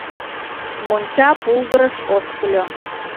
Монча пулдырыш ошкыльо.